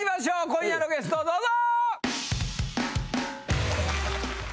今夜のゲストどうぞ！